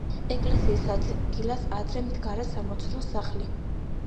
ეკლესიის ადგილზე ადრე მდგარა სამლოცველო სახლი.